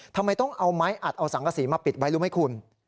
ทำไมต้องเอาไม้อัดเอาสังกษีมาปิดไว้รู้ไหมคุณ